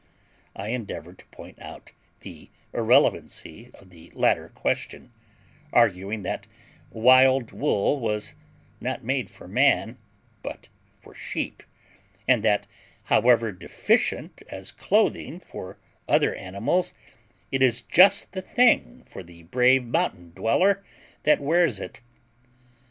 I endeavor to point out the irrelevancy of the latter question, arguing that wild wool was not made for man but for sheep, and that, however deficient as clothing for other animals, it is just the thing for the brave mountain dweller that wears it.